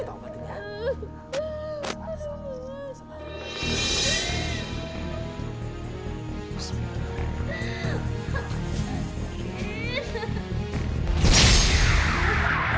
terima kasih pak